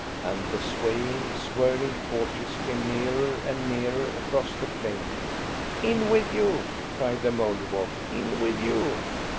And the swaying, swirling torches came nearer and nearer across the plain. "In with you!" cried the Mouldiwarp; "in with you!"